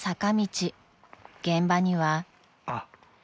［現場には］